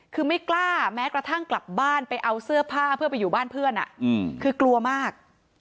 คือไม่กล้าแม้กระทั่งกลับบ้านไปเอาเสื้อผ้าเพื่อไปอยู่บ้านเพื่อนคือกลัวมาก